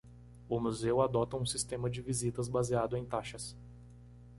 O museu adota um sistema de visitas baseado em taxas.